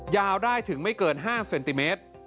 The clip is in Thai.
ได้ถึงไม่เกิน๕เซนติเมตร